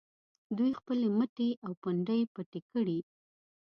دوی خپلې مټې او پنډۍ پټې کړي.